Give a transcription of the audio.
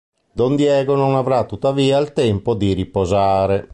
Don Diego non avrà tuttavia il tempo di riposare.